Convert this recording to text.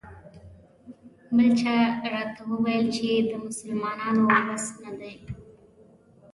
بل چا راته وویل چې دا د مسلمانانو بس نه دی.